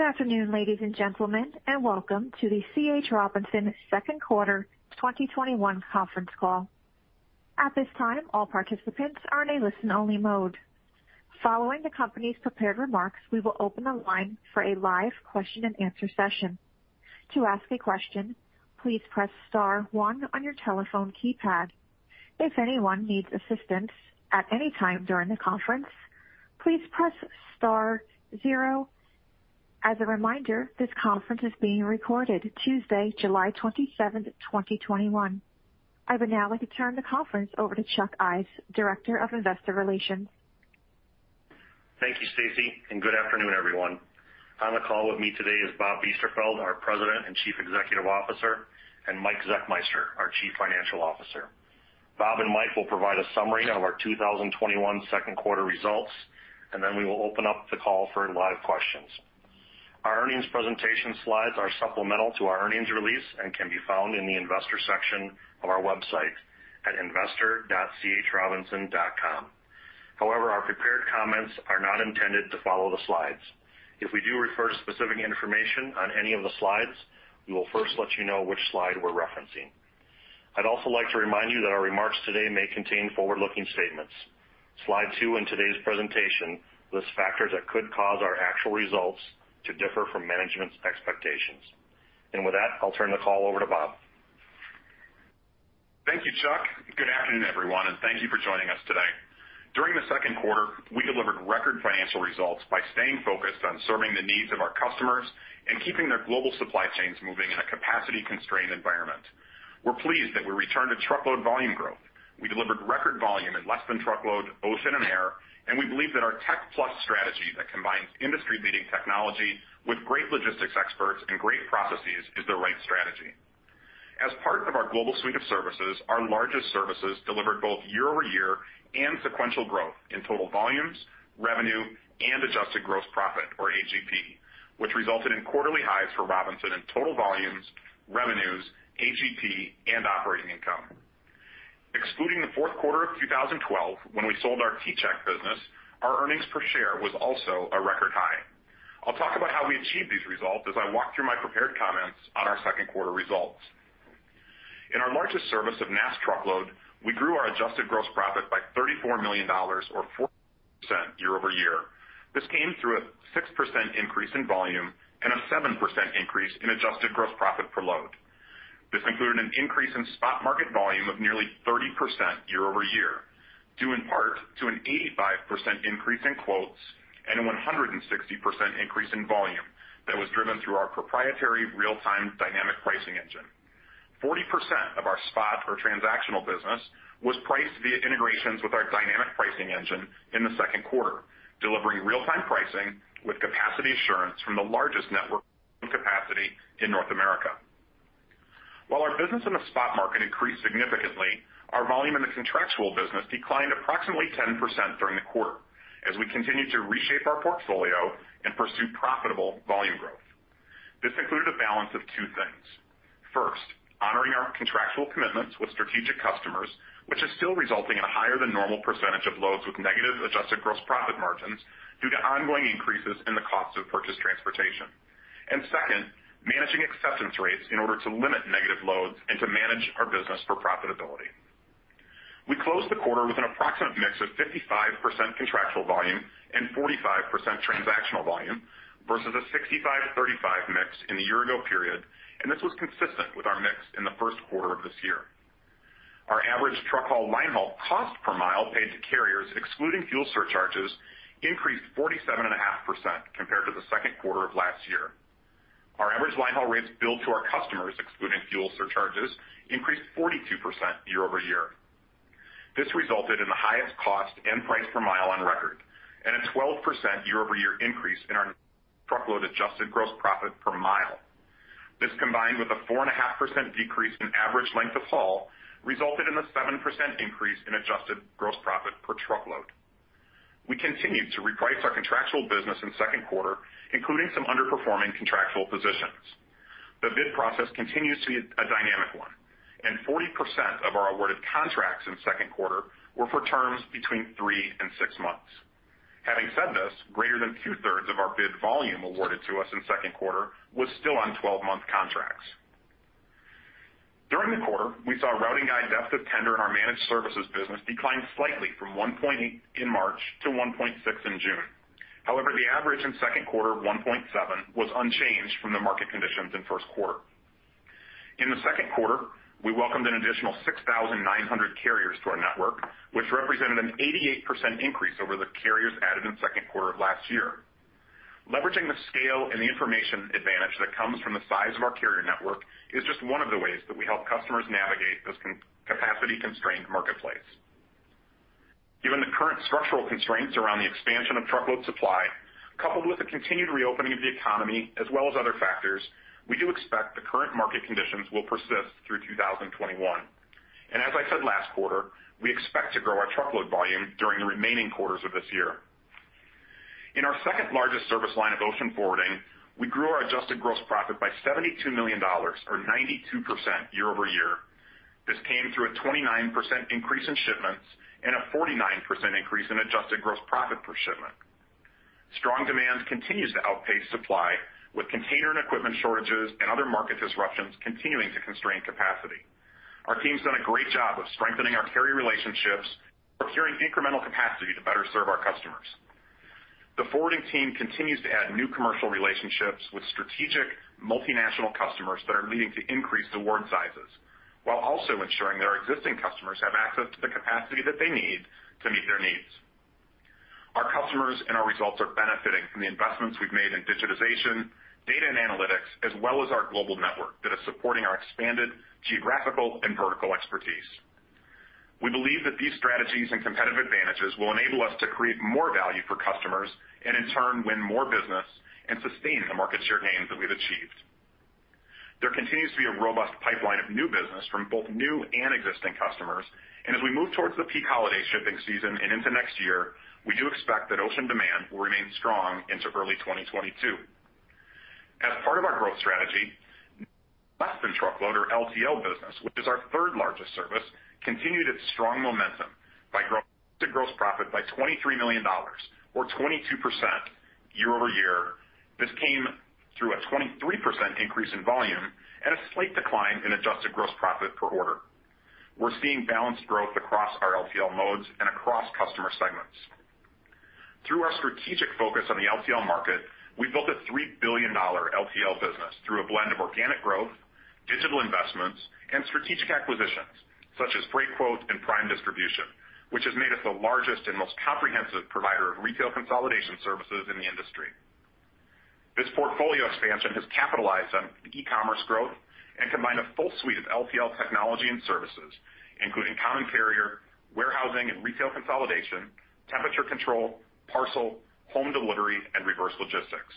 Good afternoon, ladies and gentlemen, and welcome to the C.H. Robinson second quarter 2021 conference call. At this time, all participants are in listening-only mode. Following the company's prepared remarks, we will open our line for a live questions and answers session. To ask a question, please press star one on you telephone keypad. If anyone needs assistance at any time during the conference, please press star zero. As a reminder, this conference is being recorded Tuesday July 27th, 2021. I would now like to turn the conference over to Chuck Ives, Director of Investor Relations. Thank you, Stacy. Good afternoon, everyone. On the call with me today is Bob Biesterfeld, our President and Chief Executive Officer, and Mike Zechmeister, our Chief Financial Officer. Bob and Mike will provide a summary of our 2021 second quarter results. Then we will open up the call for live questions. Our earnings presentation slides are supplemental to our earnings release and can be found in the investor section of our website at investor.chrobinson.com. However, our prepared comments are not intended to follow the slides. If we do refer to specific information on any of the slides, we will first let you know which slide we're referencing. I'd also like to remind you that our remarks today may contain forward-looking statements. Slide two in today's presentation lists factors that could cause our actual results to differ from management's expectations. With that, I'll turn the call over to Bob. Thank you, Chuck Ives. Good afternoon, everyone, and thank you for joining us today. During the second quarter, we delivered record financial results by staying focused on serving the needs of our customers and keeping their global supply chains moving in a capacity-constrained environment. We're pleased that we returned to truckload volume growth. We delivered record volume in less than truckload, ocean, and air. We believe that our Tech+ strategy that combines industry-leading technology with great logistics experts and great processes is the right strategy. As part of our global suite of services, our largest services delivered both year-over-year and sequential growth in total volumes, revenue, and adjusted gross profit or AGP, which resulted in quarterly highs for Robinson in total volumes, revenues, AGP, and operating income. Excluding the fourth quarter of 2012, when we sold our T-Chek business, our earnings per share was also a record high. I'll talk about how we achieved these results as I walk through my prepared comments on our second quarter results. In our largest service of NAST truckload, we grew our adjusted gross profit by $34 million, or 4% year-over-year. This came through a 6% increase in volume and a 7% increase in adjusted gross profit per load. This included an increase in spot market volume of nearly 30% year-over-year, due in part to an 85% increase in quotes and a 160% increase in volume that was driven through our proprietary real-time dynamic pricing engine. 40% of our spot or transactional business was priced via integrations with our dynamic pricing engine in the second quarter, delivering real-time pricing with capacity assurance from the largest network capacity in North America. While our business in the spot market increased significantly, our volume in the contractual business declined approximately 10% during the quarter as we continued to reshape our portfolio and pursue profitable volume growth. This included a balance of two things. First, honoring our contractual commitments with strategic customers, which is still resulting in a higher than normal percentage of loads with negative adjusted gross profit margins due to ongoing increases in the cost of purchased transportation. Second, managing acceptance rates in order to limit negative loads and to manage our business for profitability. We closed the quarter with an approximate mix of 55% contractual volume and 45% transactional volume versus a 65/35 mix in the year-ago period, and this was consistent with our mix in the first quarter of this year. Our average truck haul line haul cost per mile paid to carriers excluding fuel surcharges increased 47.5% compared to the second quarter of last year. Our average line haul rates billed to our customers, excluding fuel surcharges, increased 42% year-over-year. This resulted in the highest cost and price per mile on record, and a 12% year-over-year increase in our truckload adjusted gross profit per mile. This, combined with a 4.5% decrease in average length of haul, resulted in a 7% increase in adjusted gross profit per truckload. We continued to reprice our contractual business in second quarter, including some underperforming contractual positions. The bid process continues to be a dynamic one, and 40% of our awarded contracts in second quarter were for terms between three and six months. Having said this, greater than 2/3 of our bid volume awarded to us in second quarter was still on 12-month contracts. During the quarter, we saw routing guide depth of tender in our managed services business decline slightly from 1.0 point in March to 1.6 in June. The average in second quarter of 1.7 was unchanged from the market conditions in first quarter. In the second quarter, we welcomed an additional 6,900 carriers to our network, which represented an 88% increase over the carriers added in second quarter of last year. Leveraging the scale and the information advantage that comes from the size of our carrier network is just one of the ways that we help customers navigate this capacity-constrained marketplace. Given the current structural constraints around the expansion of truckload supply, coupled with the continued reopening of the economy as well as other factors, we do expect the current market conditions will persist through 2021. As I said last quarter, we expect to grow our truckload volume during the remaining quarters of this year. In our second-largest service line of ocean forwarding, we grew our adjusted gross profit by $72 million, or 92% year-over-year. This came through a 29% increase in shipments and a 49% increase in adjusted gross profit per shipment. Strong demand continues to outpace supply with container and equipment shortages and other market disruptions continuing to constrain capacity. Our team's done a great job of strengthening our carrier relationships, procuring incremental capacity to better serve our customers. The forwarding team continues to add new commercial relationships with strategic multinational customers that are needing to increase the order sizes, while also ensuring their existing customers have access to the capacity that they need to meet their needs. Our customers and our results are benefiting from the investments we've made in digitization, data and analytics, as well as our global network that is supporting our expanded geographical and vertical expertise. We believe that these strategies and competitive advantages will enable us to create more value for customers, and in turn, win more business and sustain the market share gains that we've achieved. There continues to be a robust pipeline of new business from both new and existing customers, and as we move towards the peak holiday shipping season and into next year, we do expect that ocean demand will remain strong into early 2022. As part of our growth strategy, Less-Than-Truckload or LTL business, which is our third largest service, continued its strong momentum by growing adjusted gross profit by $23 million or 22% year-over-year. This came through a 23% increase in volume and a slight decline in adjusted gross profit per order. We're seeing balanced growth across our LTL modes and across customer segments. Through our strategic focus on the LTL market, we've built a $3 billion LTL business through a blend of organic growth, digital investments, and strategic acquisitions such as Freightquote and Prime Distribution, which has made us the largest and most comprehensive provider of retail consolidation services in the industry. This portfolio expansion has capitalized on e-commerce growth and combined a full suite of LTL technology and services, including common carrier, warehousing and retail consolidation, temperature control, parcel, home delivery, and reverse logistics.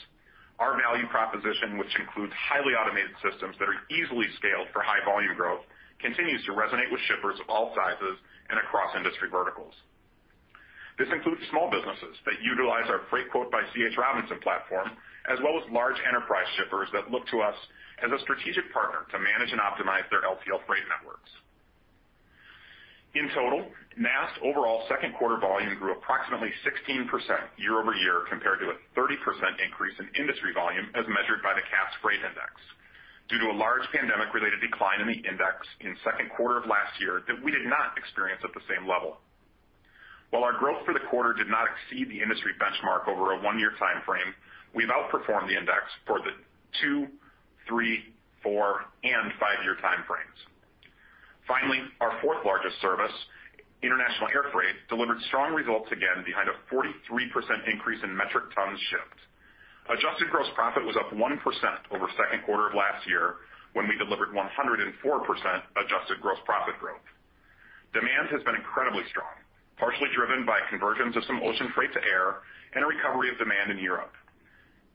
Our value proposition, which includes highly automated systems that are easily scaled for high volume growth, continues to resonate with shippers of all sizes and across industry verticals. This includes small businesses that utilize our Freightquote by C.H. Robinson platform, as well as large enterprise shippers that look to us as a strategic partner to manage and optimize their LTL freight networks. In total, NAST's overall second quarter volume grew approximately 16% year-over-year compared to a 30% increase in industry volume as measured by the Cass Freight Index, due to a large pandemic related decline in the index in second quarter of last year that we did not experience at the same level. While our growth for the quarter did not exceed the industry benchmark over a one-year timeframe, we've outperformed the index for the two, three, four, and five-year timeframes. Finally, our fourth largest service, international air freight, delivered strong results again behind a 43% increase in metric tons shipped. Adjusted gross profit was up 1% over second quarter of last year, when we delivered 104% adjusted gross profit growth. Demand has been incredibly strong, partially driven by conversions of some ocean freight to air and a recovery of demand in Europe.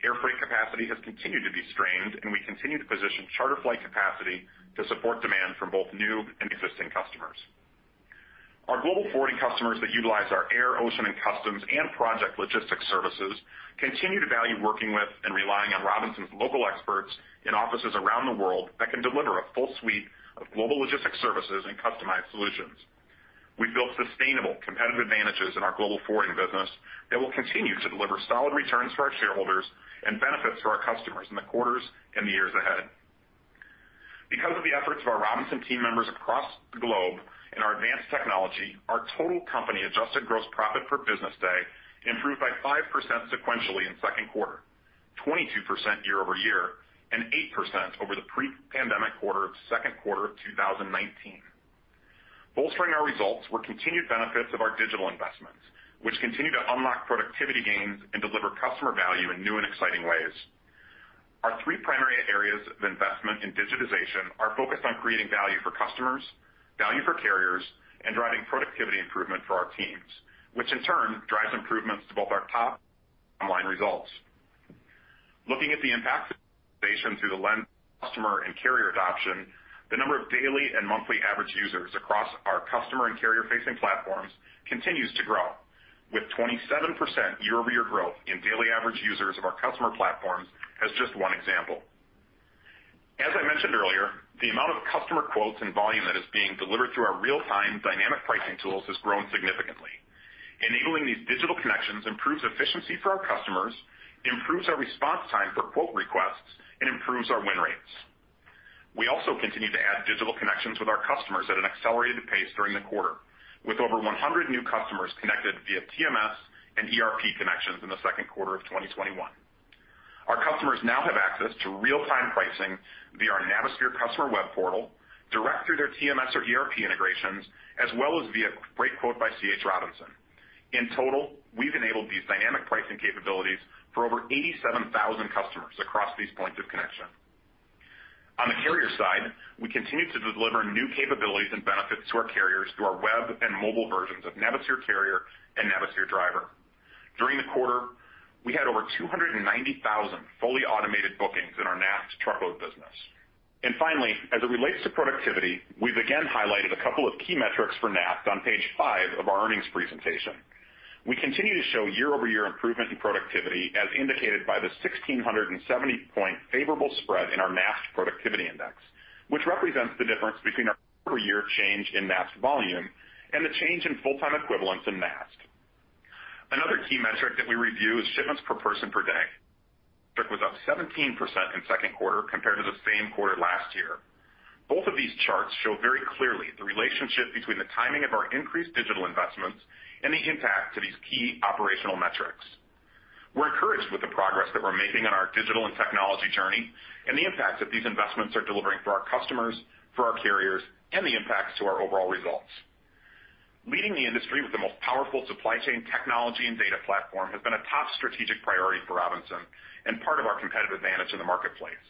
Airfreight capacity has continued to be strained, and we continue to position charter flight capacity to support demand from both new and existing customers. Our global forwarding customers that utilize our air, ocean, and customs and project logistics services continue to value working with and relying on Robinson's local experts in offices around the world that can deliver a full suite of global logistics services and customized solutions. We've built sustainable competitive advantages in our global forwarding business that will continue to deliver solid returns for our shareholders and benefits to our customers in the quarters and the years ahead. Because of the efforts of our Robinson team members across the globe and our advanced technology, our total company adjusted gross profit per business day improved by 5% sequentially in second quarter, 22% year-over-year, and 8% over the pre-pandemic quarter of second quarter of 2019. Bolstering our results were continued benefits of our digital investments, which continue to unlock productivity gains and deliver customer value in new and exciting ways. Our three primary areas of investment in digitization are focused on creating value for customers, value for carriers, and driving productivity improvement for our teams, which in turn drives improvements to both our top and bottom line results. Looking at the impact of digitization through the lens of customer and carrier adoption, the number of daily and monthly average users across our customer and carrier facing platforms continues to grow with 27% year-over-year growth in daily average users of our customer platforms as just one example. As I mentioned earlier, the amount of customer quotes and volume that is being delivered through our real-time dynamic pricing tools has grown significantly. Enabling these digital connections improves efficiency for our customers, improves our response time for quote requests, and improves our win rates. We also continue to add digital connections with our customers at an accelerated pace during the quarter, with over 100 new customers connected via TMS and ERP connections in the second quarter of 2021. Our customers now have access to real-time pricing via our Navisphere customer web portal, direct through their TMS or ERP integrations, as well as via Freightquote by C.H. Robinson. In total, we've enabled these dynamic pricing capabilities for over 87,000 customers across these points of connection. On the carrier side, we continue to deliver new capabilities and benefits to our carriers through our web and mobile versions of Navisphere Carrier and Navisphere Driver. During the quarter, we had over 290,000 fully automated bookings in our NAST truckload business. Finally, as it relates to productivity, we've again highlighted a couple of key metrics for NAST on page five of our earnings presentation. We continue to show year-over-year improvement in productivity as indicated by the 1,670 point favorable spread in our NAST Productivity Index, which represents the difference between our per year change in NAST volume and the change in full-time equivalents in NAST. Another key metric that we review is shipments per person per day, was up 17% in second quarter compared to the same quarter last year. Both of these charts show very clearly the relationship between the timing of our increased digital investments and the impact to these key operational metrics. We're encouraged with the progress that we're making on our digital and technology journey and the impact that these investments are delivering for our customers, for our carriers, and the impacts to our overall results. Leading the industry with the most powerful supply chain technology and data platform has been a top strategic priority for Robinson and part of our competitive advantage in the marketplace.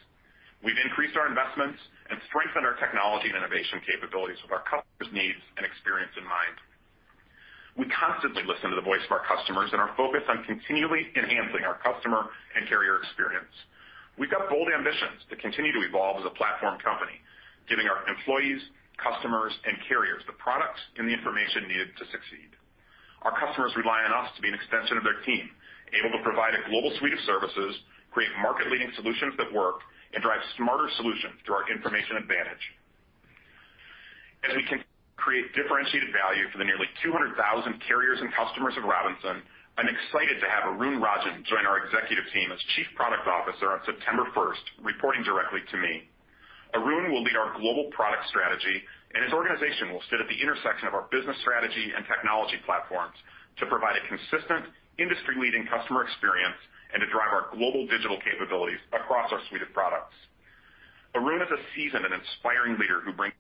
We've increased our investments and strengthened our technology and innovation capabilities with our customers' needs and experience in mind. We constantly listen to the voice of our customers and are focused on continually enhancing our customer and carrier experience. We've got bold ambitions to continue to evolve as a platform company, giving our employees, customers, and carriers the products and the information needed to succeed. Our customers rely on us to be an extension of their team, able to provide a global suite of services, create market-leading solutions that work, and drive smarter solutions through our information advantage. As we create differentiated value for the nearly 200,000 carriers and customers of Robinson, I'm excited to have Arun Rajan join our executive team as Chief Product Officer on September 1st, reporting directly to me. Arun will lead our global product strategy, his organization will sit at the intersection of our business strategy and technology platforms to provide a consistent industry-leading customer experience and to drive our global digital capabilities across our suite of products. Arun is a seasoned and inspiring leader who brings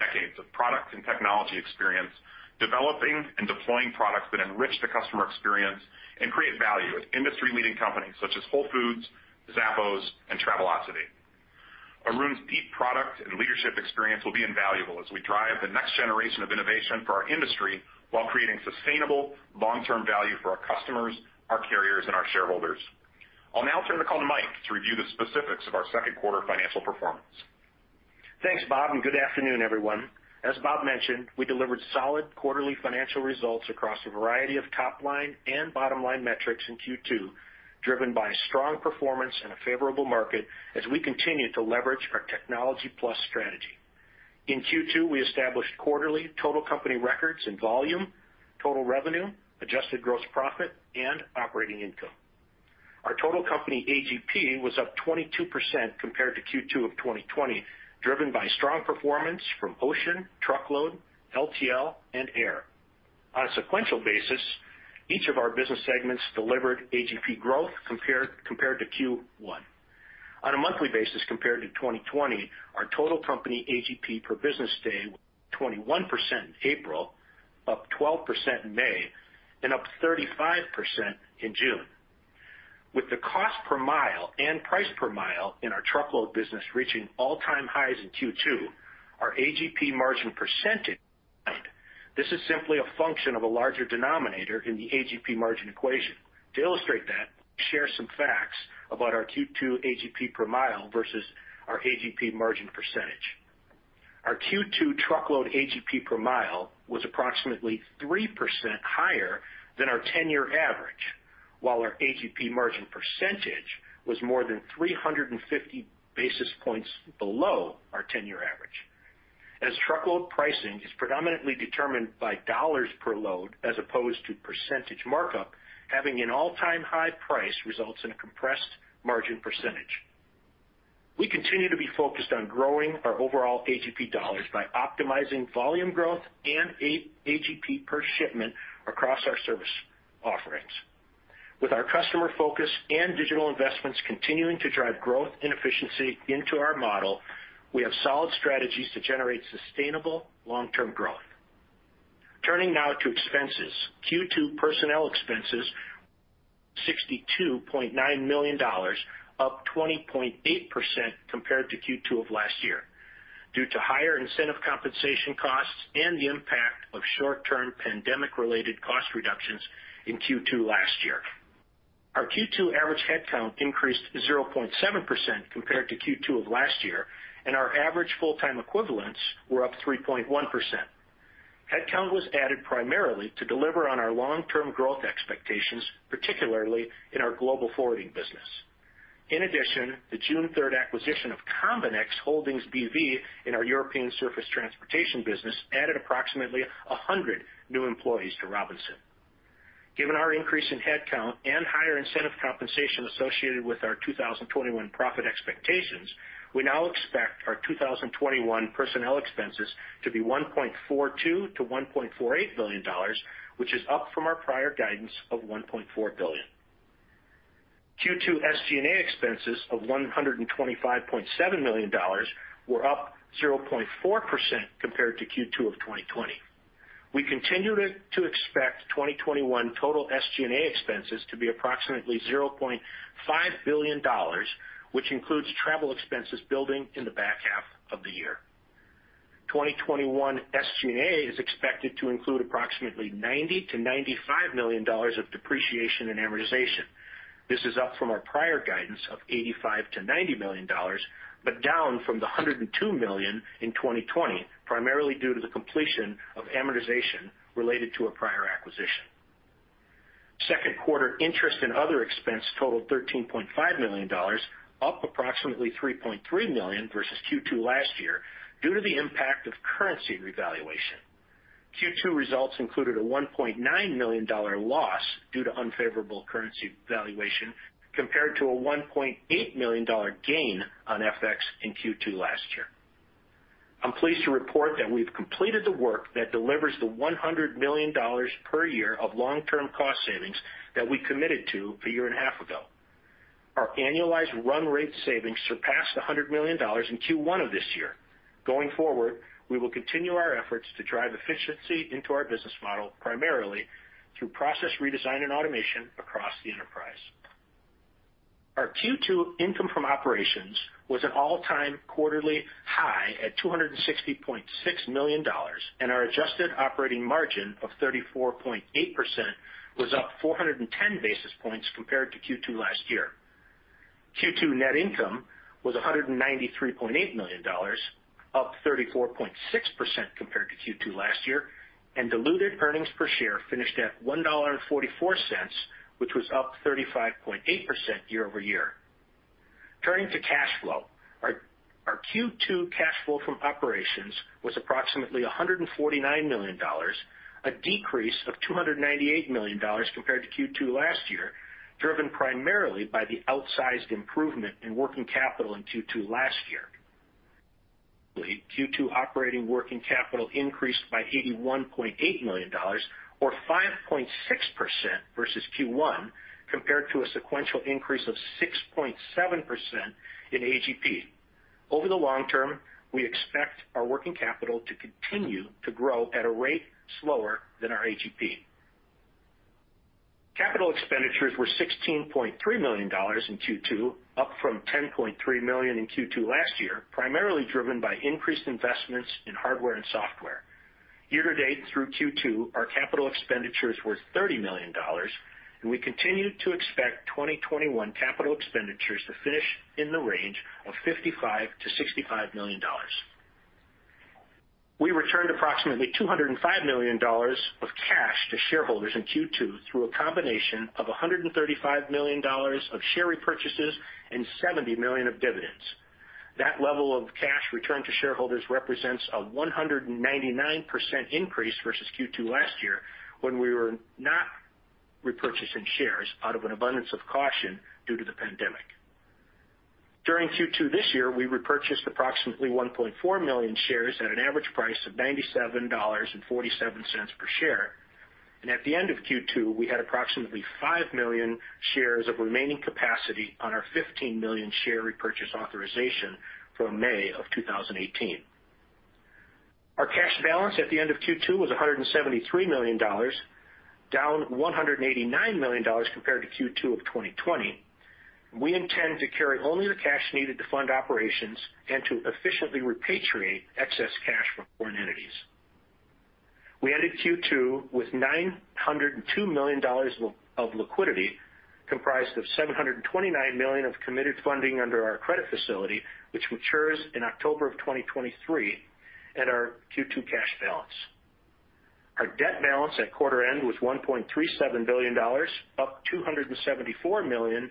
decades of product and technology experience, developing and deploying products that enrich the customer experience and create value with industry-leading companies such as Whole Foods, Zappos, and Travelocity. Arun's deep product and leadership experience will be invaluable as we drive the next generation of innovation for our industry while creating sustainable long-term value for our customers, our carriers, and our shareholders. I'll now turn the call to Mike to review the specifics of our second quarter financial performance. Thanks, Bob. Good afternoon, everyone. As Bob mentioned, we delivered solid quarterly financial results across a variety of top-line and bottom-line metrics in Q2, driven by strong performance in a favorable market as we continue to leverage our Technology+ strategy. In Q2, we established quarterly total company records in volume, total revenue, adjusted gross profit, and operating income. Our total company AGP was up 22% compared to Q2 of 2020, driven by strong performance from ocean, truckload, LTL, and air. On a sequential basis, each of our business segments delivered AGP growth compared to Q1. On a monthly basis, compared to 2020, our total company AGP per business day was 21% in April, up 12% in May, and up 35% in June. With the cost per mile and price per mile in our truckload business reaching all-time highs in Q2, our AGP margin percentage, this is simply a function of a larger denominator in the AGP margin equation. To illustrate that, share some facts about our Q2 AGP per mile versus our AGP margin percentage. Our Q2 truckload AGP per mile was approximately 3% higher than our 10-year average, while our AGP margin percentage was more than 350 basis points below our 10-year average. As truckload pricing is predominantly determined by dollars per load as opposed to percentage markup, having an all-time high price results in a compressed margin percentage. We continue to be focused on growing our overall AGP dollars by optimizing volume growth and AGP per shipment across our service offerings. With our customer focus and digital investments continuing to drive growth and efficiency into our model, we have solid strategies to generate sustainable long-term growth. Turning now to expenses. Q2 personnel expenses, $62.9 million, up 20.8% compared to Q2 of last year due to higher incentive compensation costs and the impact of short-term pandemic-related cost reductions in Q2 last year. Our Q2 average headcount increased 0.7% compared to Q2 of last year, and our average full-time equivalents were up 3.1%. Headcount was added primarily to deliver on our long-term growth expectations, particularly in our global forwarding business. In addition, the June 3rd acquisition of Combinex Holding BV in our European surface transportation business added approximately 100 new employees to Robinson. Given our increase in headcount and higher incentive compensation associated with our 2021 profit expectations, we now expect our 2021 personnel expenses to be $1.42 billion-$1.48 billion, which is up from our prior guidance of $1.4 billion. Q2 SG&A expenses of $125.7 million were up 0.4% compared to Q2 of 2020. We continue to expect 2021 total SG&A expenses to be approximately $0.5 billion, which includes travel expenses building in the back half of the year. 2021 SG&A is expected to include approximately $90 million-$95 million of depreciation and amortization. This is up from our prior guidance of $85 million-$90 million, but down from the $102 million in 2020, primarily due to the completion of amortization related to a prior acquisition. Second quarter interest and other expense totaled $13.5 million, up approximately $3.3 million versus Q2 last year due to the impact of currency revaluation. Q2 results included a $1.9 million loss due to unfavorable currency valuation compared to a $1.8 million gain on FX in Q2 last year. I'm pleased to report that we've completed the work that delivers the $100 million per year of long-term cost savings that we committed to a year and a half ago. Our annualized run rate savings surpassed $100 million in Q1 of this year. Going forward, we will continue our efforts to drive efficiency into our business model, primarily through process redesign and automation across the enterprise. Our Q2 income from operations was an all-time quarterly high at $260.6 million. Our adjusted operating margin of 34.8% was up 410 basis points compared to Q2 last year. Q2 net income was $193.8 million, up 34.6% compared to Q2 last year. Diluted earnings per share finished at $1.44, which was up 35.8% year-over-year. Turning to cash flow. Our Q2 cash flow from operations was approximately $149 million, a decrease of $298 million compared to Q2 last year, driven primarily by the outsized improvement in working capital in Q2 last year. Q2 operating working capital increased by $81.8 million or 5.6% versus Q1, compared to a sequential increase of 6.7% in AGP. Over the long term, we expect our working capital to continue to grow at a rate slower than our AGP. Capital expenditures were $16.3 million in Q2, up from $10.3 million in Q2 last year, primarily driven by increased investments in hardware and software. Year to date, through Q2, our capital expenditures were $30 million, and we continue to expect 2021 capital expenditures to finish in the range of $55 million-$65 million. We returned approximately $205 million of cash to shareholders in Q2 through a combination of $135 million of share repurchases and $70 million of dividends. That level of cash return to shareholders represents a 199% increase versus Q2 last year when we were not repurchasing shares out of an abundance of caution due to the pandemic. During Q2 this year, we repurchased approximately 1.4 million shares at an average price of $97.47 per share. At the end of Q2, we had approximately 5 million shares of remaining capacity on our 15 million share repurchase authorization from May of 2018. Our cash balance at the end of Q2 was $173 million, down $189 million compared to Q2 of 2020. We intend to carry only the cash needed to fund operations and to efficiently repatriate excess cash from foreign entities. We ended Q2 with $902 million of liquidity, comprised of $729 million of committed funding under our credit facility, which matures in October of 2023, and our Q2 cash balance. Our debt balance at quarter end was $1.37 billion, up $274 million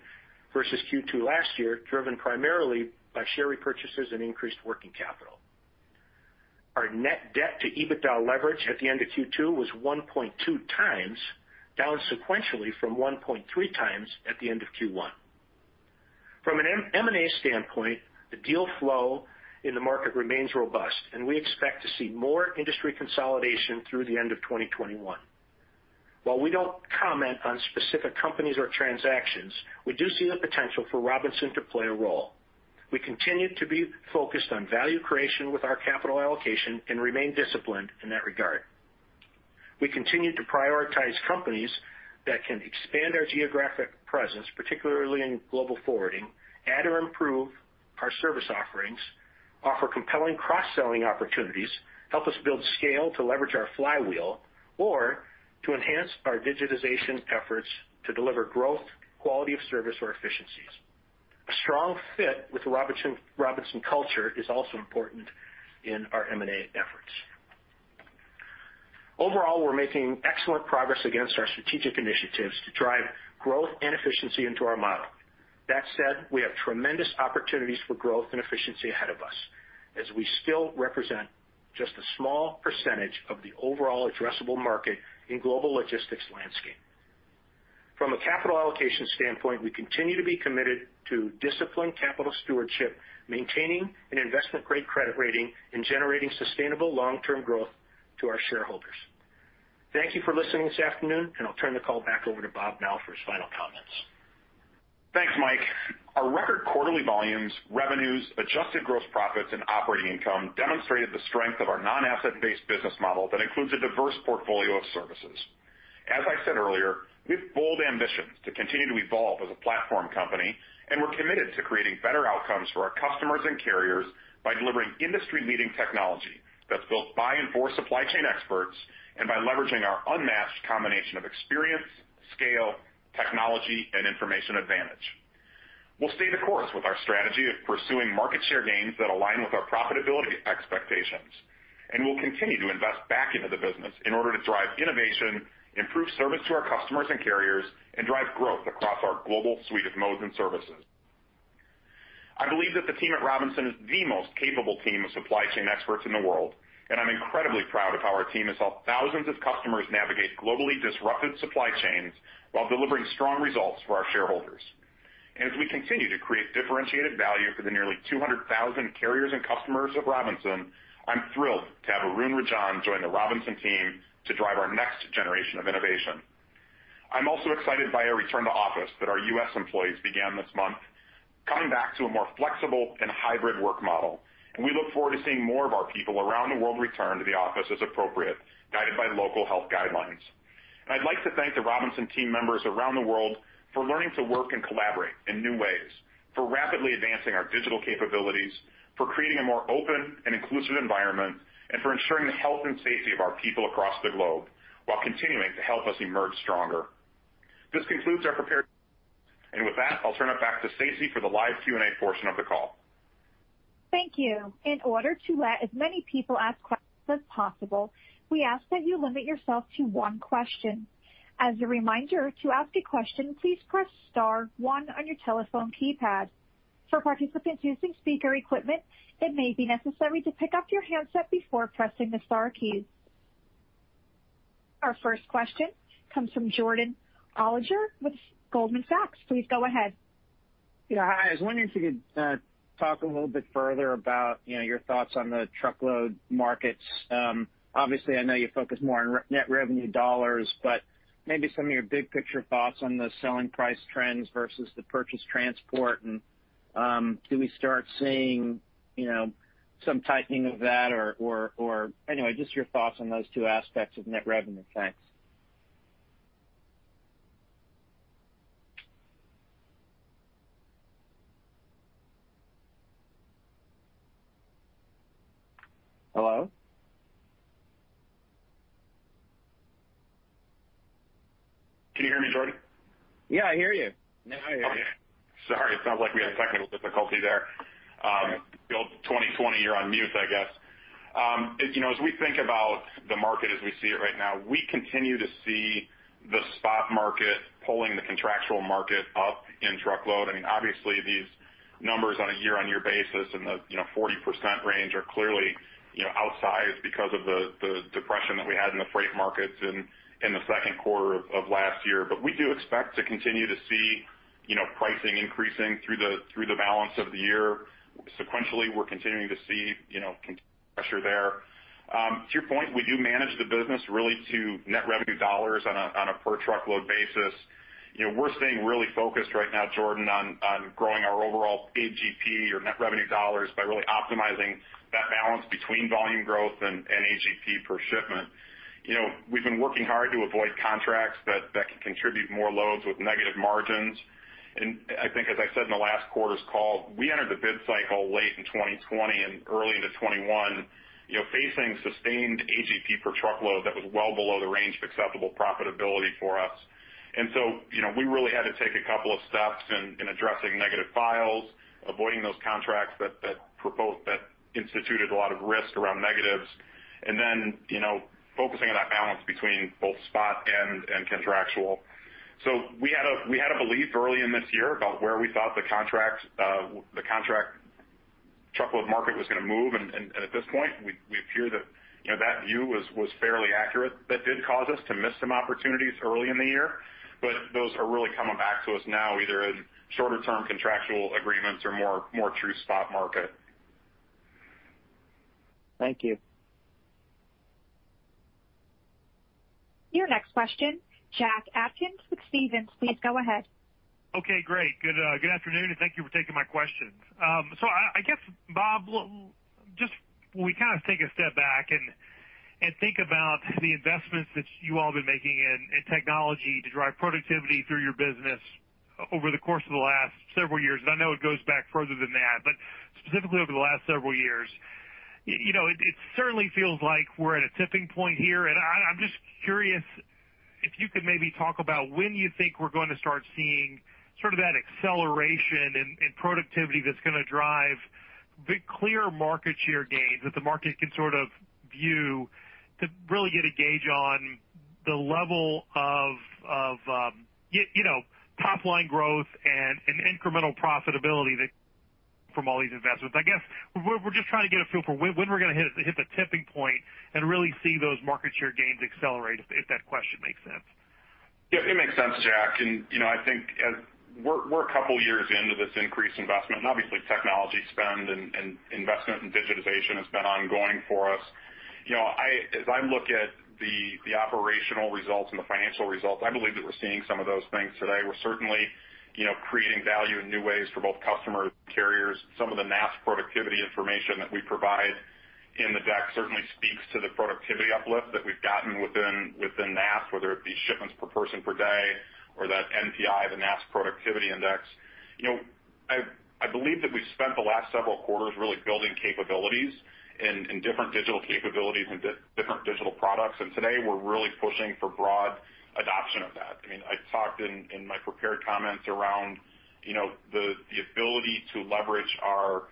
versus Q2 last year, driven primarily by share repurchases and increased working capital. Our net debt to EBITDA leverage at the end of Q2 was 1.2x, down sequentially from 1.3x at the end of Q1. From an M&A standpoint, the deal flow in the market remains robust, and we expect to see more industry consolidation through the end of 2021. While we don't comment on specific companies or transactions, we do see the potential for Robinson to play a role. We continue to be focused on value creation with our capital allocation and remain disciplined in that regard. We continue to prioritize companies that can expand our geographic presence, particularly in global forwarding, add or improve our service offerings, offer compelling cross-selling opportunities, help us build scale to leverage our flywheel, or to enhance our digitization efforts to deliver growth, quality of service, or efficiencies. A strong fit with the Robinson culture is also important in our M&A efforts. Overall, we're making excellent progress against our strategic initiatives to drive growth and efficiency into our model. That said, we have tremendous opportunities for growth and efficiency ahead of us, as we still represent just a small percentage of the overall addressable market in global logistics landscape. From a capital allocation standpoint, we continue to be committed to disciplined capital stewardship, maintaining an investment-grade credit rating, and generating sustainable long-term growth to our shareholders. Thank you for listening this afternoon, and I'll turn the call back over to Bob now for his final comments. Thanks, Mike. Our record quarterly volumes, revenues, adjusted gross profits, and operating income demonstrated the strength of our non-asset-based business model that includes a diverse portfolio of services. As I said earlier, we have bold ambitions to continue to evolve as a platform company, and we're committed to creating better outcomes for our customers and carriers by delivering industry-leading technology that's built by and for supply chain experts, and by leveraging our unmatched combination of experience, scale, technology, and information advantage. We'll stay the course with our strategy of pursuing market share gains that align with our profitability expectations. We'll continue to invest back into the business in order to drive innovation, improve service to our customers and carriers, and drive growth across our global suite of modes and services. I believe that the team at Robinson is the most capable team of supply chain experts in the world, I'm incredibly proud of how our team has helped thousands of customers navigate globally disrupted supply chains while delivering strong results for our shareholders. As we continue to create differentiated value for the nearly 200,000 carriers and customers of Robinson, I'm thrilled to have Arun Rajan join the Robinson team to drive our next generation of innovation. I'm also excited by our return to office that our U.S. employees began this month, coming back to a more flexible and hybrid work model. We look forward to seeing more of our people around the world return to the office as appropriate, guided by local health guidelines. I'd like to thank the Robinson team members around the world for learning to work and collaborate in new ways, for rapidly advancing our digital capabilities, for creating a more open and inclusive environment, and for ensuring the health and safety of our people across the globe while continuing to help us emerge stronger. This concludes our prepared. With that, I'll turn it back to Stacy for the live Q and A portion of the call. Thank you. In order to let as many people ask questions as possible, we ask that you limit yourself to one question. As a reminder, to ask a question, please press star one on your telephone keypad. For participants using speaker equipment, it may be necessary to pick up your handset before pressing the star key. Our first question comes from Jordan Alliger with Goldman Sachs. Please go ahead. Yeah. Hi. I was wondering if you could talk a little bit further about your thoughts on the truckload markets. Obviously, I know you focus more on net revenue dollars, but maybe some of your big-picture thoughts on the selling price trends versus the purchase transport, and do we start seeing some tightening of that? Anyway, just your thoughts on those two aspects of net revenue. Thanks. Hello? Can you hear me, Jordan? Yeah, I hear you now. I hear you. Okay. Sorry, it sounds like we had technical difficulty there. All right. The old 2020, you're on mute, I guess. We think about the market as we see it right now, we continue to see the spot market pulling the contractual market up in truckload. Obviously, these numbers on a year-on-year basis in the 40% range are clearly outsized because of the depression that we had in the freight markets in the second quarter of last year. We do expect to continue to see pricing increasing through the balance of the year. Sequentially, we're continuing to see pressure there. To your point, we do manage the business really to net revenue dollars on a per truckload basis. We're staying really focused right now, Jordan, on growing our overall AGP or net revenue dollars by really optimizing that balance between volume growth and AGP per shipment. We've been working hard to avoid contracts that can contribute more loads with negative margins. I think, as I said in the last quarter's call, we entered the bid cycle late in 2020 and early into 2021 facing sustained AGP per truckload that was well below the range of acceptable profitability for us. We really had to take a couple of steps in addressing negative files, avoiding those contracts that instituted a lot of risk around negatives, and then focusing on that balance between both spot and contractual. We had a belief early in this year about where we thought the contract truckload market was going to move. At this point, we appear that view was fairly accurate. That did cause us to miss some opportunities early in the year, but those are really coming back to us now, either in shorter-term contractual agreements or more true spot market. Thank you. Your next question, Jack Atkins with Stephens. Please go ahead. Okay, great. Good afternoon, and thank you for taking my questions. I guess, Bob, when we take a step back and think about the investments that you all have been making in technology to drive productivity through your business over the course of the last several years, and I know it goes back further than that, but specifically over the last several years. It certainly feels like we're at a tipping point here, I'm just curious if you could maybe talk about when you think we're going to start seeing that acceleration and productivity that's going to drive big, clear market share gains that the market can view to really get a gauge on the level of top-line growth and incremental profitability from all these investments. I guess we're just trying to get a feel for when we're going to hit the tipping point and really see those market share gains accelerate, if that question makes sense? Yeah, it makes sense, Jack. I think as we're a couple of years into this increased investment, and obviously technology spend and investment in digitization has been ongoing for us. As I look at the operational results and the financial results, I believe that we're seeing some of those things today. We're certainly creating value in new ways for both customers and carriers. Some of the NAST productivity information that we provide in the deck certainly speaks to the productivity uplift that we've gotten within NAST, whether it be shipments per person per day or that NPI, the NAST Productivity Index. I believe that we've spent the last several quarters really building capabilities and different digital capabilities and different digital products. Today we're really pushing for broad adoption of that. I talked in my prepared comments around the ability to leverage our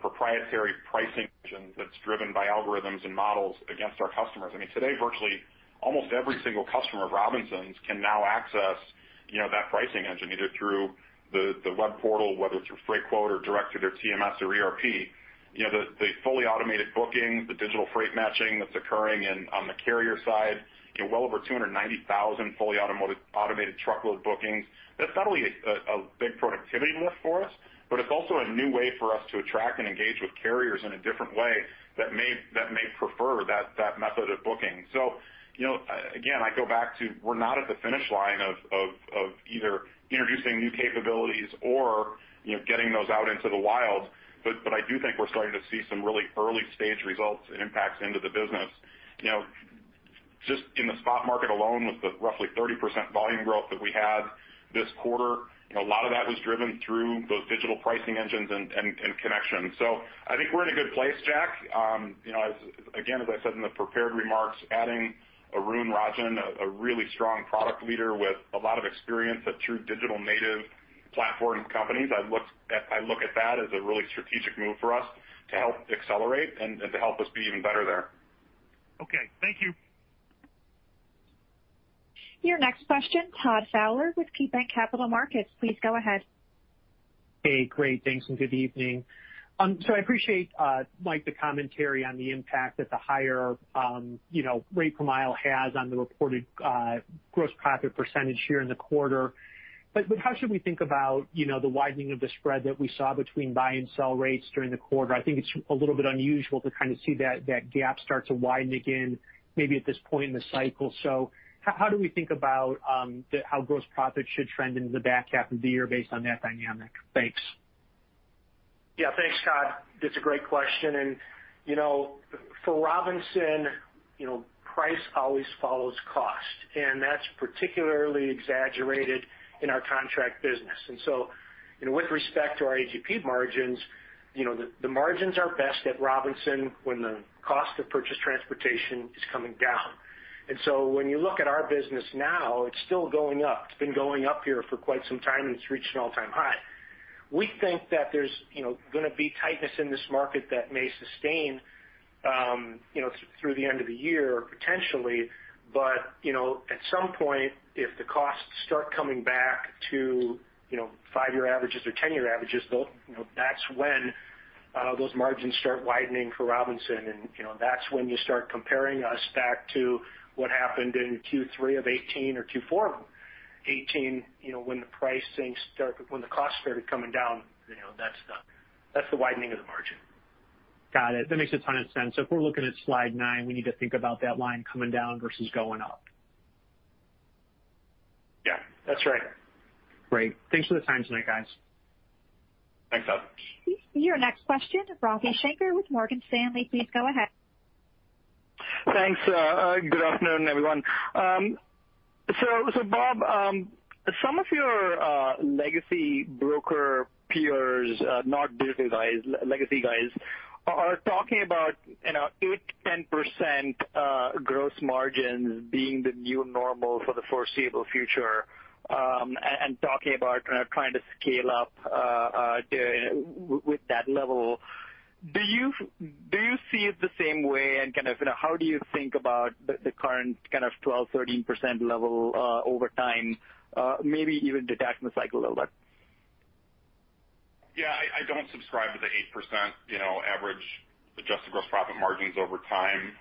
proprietary pricing engine that's driven by algorithms and models against our customers. Today, virtually almost every single customer of C.H. Robinson's can now access that pricing engine, either through the web portal, whether it's through Freightquote or direct through their TMS or ERP. The fully automated booking, the digital freight matching that's occurring and on the carrier side, well over 290,000 fully automated truckload bookings. That's not only a big productivity lift for us, but it's also a new way for us to attract and engage with carriers in a different way that may prefer that method of booking. Again, I go back to we're not at the finish line of either introducing new capabilities or getting those out into the wild. I do think we're starting to see some really early-stage results and impacts into the business. Just in the spot market alone, with the roughly 30% volume growth that we had this quarter, a lot of that was driven through those digital pricing engines and connections. I think we're in a good place, Jack. Again, as I said in the prepared remarks, adding Arun Rajan, a really strong product leader with a lot of experience at true digital native platform companies. I look at that as a really strategic move for us to help accelerate and to help us be even better there. Okay. Thank you. Your next question, Todd Fowler with KeyBanc Capital Markets. Please go ahead. Hey, great. Thanks and good evening. I appreciate, Mike, the commentary on the impact that the higher rate per mile has on the reported gross profit percentage here in the quarter. How should we think about the widening of the spread that we saw between buy and sell rates during the quarter? I think it's a little bit unusual to kind of see that gap start to widen again maybe at this point in the cycle. How do we think about how gross profit should trend into the back half of the year based on that dynamic? Thanks. Yeah, thanks, Todd. That's a great question. For Robinson, price always follows cost, and that's particularly exaggerated in our contract business. With respect to our AGP margins, the margins are best at Robinson when the cost of purchased transportation is coming down. When you look at our business now, it's still going up. It's been going up here for quite some time, and it's reached an all-time high. We think that there's going to be tightness in this market that may sustain through the end of the year, potentially. At some point, if the costs start coming back to five-year averages or 10-year averages, that's when those margins start widening for Robinson. That's when you start comparing us back to what happened in Q3 of 2018 or Q4 of 2018, when the costs started coming down. That's the widening of the margin. Got it. That makes a ton of sense. If we're looking at slide nine, we need to think about that line coming down versus going up. Yeah, that's right. Great. Thanks for the time tonight, guys. Thanks, Todd. Your next question, Ravi Shanker with Morgan Stanley. Please go ahead. Thanks. Good afternoon, everyone. Bob, some of your legacy broker peers, not digital guys, legacy guys, are talking about 8%-10% gross margins being the new normal for the foreseeable future, and talking about trying to scale up with that level. Do you see it the same way, and how do you think about the current kind of 12%-13% level over time, maybe even detach from the cycle a little bit? I don't subscribe to the 8% average adjusted gross profit margins over time.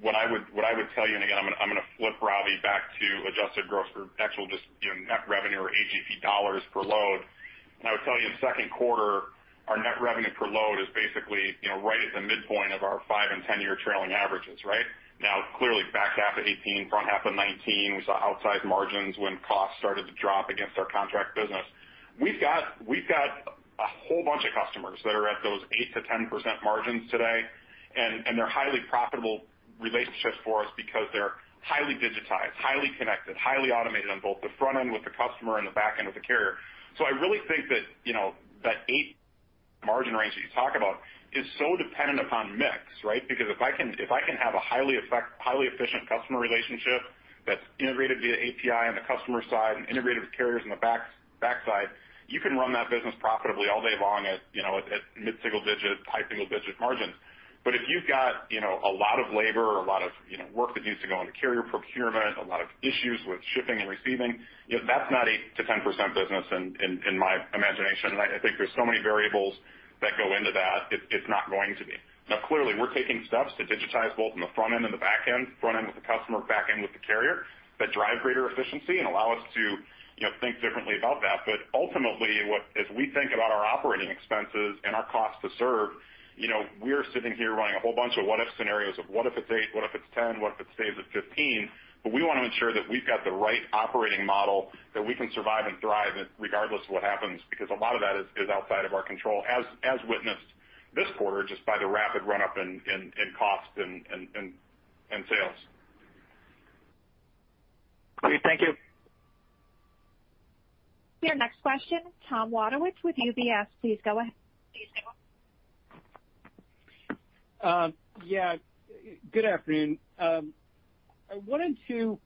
What I would tell you, again, I'm going to flip, Ravi, back to adjusted gross for actual just net revenue or AGP dollars per load. I would tell you in the second quarter, our net revenue per load is basically right at the midpoint of our five and 10-year trailing averages. Clearly, back half of 2018, front half of 2019, we saw outsized margins when costs started to drop against our contract business. We've got a whole bunch of customers that are at those 8%-10% margins today, and they're highly profitable relationships for us because they're highly digitized, highly connected, highly automated on both the front end with the customer and the back end with the carrier. I really think that eight margin range that you talk about is so dependent upon mix, right? Because if I can have a highly efficient customer relationship that's integrated via API on the customer side and integrated with carriers on the back side, you can run that business profitably all day long at mid-single digit, high single-digit margins. But if you've got a lot of labor or a lot of work that needs to go into carrier procurement, a lot of issues with shipping and receiving, that's not 8%-10% business in my imagination. I think there's so many variables that go into that, it's not going to be. Clearly, we're taking steps to digitize both on the front end and the back end, front end with the customer, back end with the carrier, that drive greater efficiency and allow us to think differently about that. Ultimately, as we think about our operating expenses and our cost to serve, we are sitting here running a whole bunch of what if scenarios of what if it's eight, what if it's 10, what if it stays at 15? We want to ensure that we've got the right operating model that we can survive and thrive regardless of what happens, because a lot of that is outside of our control, as witnessed this quarter just by the rapid run-up in cost and sales. Okay, thank you. Your next question, Tom Wadewitz with UBS. Please go ahead. Yeah. Good afternoon. I wanted to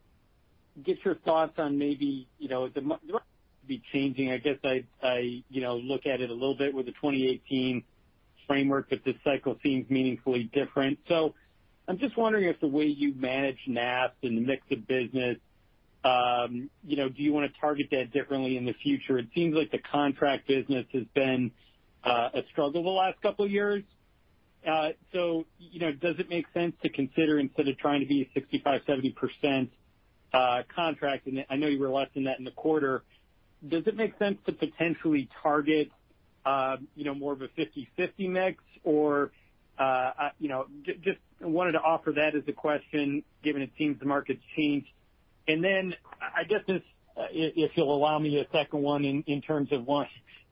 get your thoughts on maybe, the market could be changing. I guess I look at it a little bit with the 2018 framework, this cycle seems meaningfully different. I'm just wondering if the way you manage NAST and the mix of business, do you want to target that differently in the future? It seems like the contract business has been a struggle the last couple of years. Does it make sense to consider instead of trying to be a 65%-70% contract, and I know you were less than that in the quarter, does it make sense to potentially target more of a 50/50 mix? Just wanted to offer that as a question, given it seems the market's changed. I guess this, if you'll allow me a second one in terms of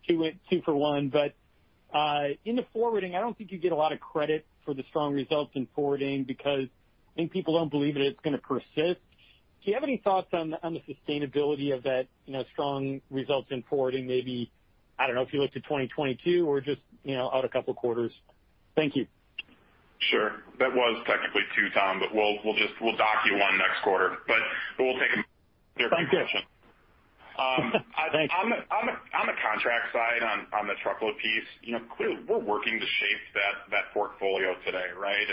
two for one, in the forwarding, I don't think you get a lot of credit for the strong results in forwarding because I think people don't believe that it's going to persist. Do you have any thoughts on the sustainability of that strong results in forwarding, maybe, I don't know, if you looked at 2022 or just out a couple of quarters? Thank you. Sure. That was technically two, Tom, but we'll dock you one next quarter, but we'll take them. They're a few questions. Thank you. Thank you. On the contract side, on the truckload piece, clearly we're working to shape that portfolio today, right?